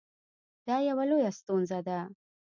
دا یوه لویه ستونزه ده